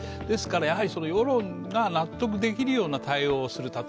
ですから、世論が納得できるような対応をする。